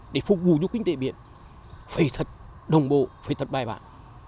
để phục vụ cho kinh tế biển phải thật đồng bộ phải thật bài bản